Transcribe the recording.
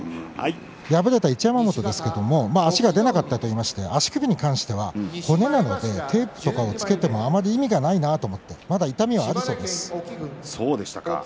敗れた一山本ですけれども足が出なかったと言いまして足首に関しては骨なのでテープとかをつけてもあまり意味がないなと思ってまだ痛みはあるそうです。